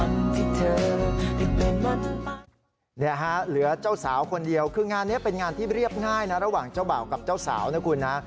เนี่ยฮะเหลือเจ้าสาวคนเดียวคืองานนี้เป็นงานที่เรียบง่ายนะระหว่างเจ้าบ่าวกับเจ้าสาวนะคุณนะ